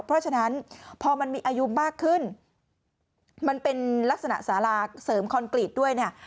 เพราะฉะนั้นพอมันมีอายุมากขึ้นมันเป็นลักษณะสาราเสริมคอนกรีตด้วยเนี่ย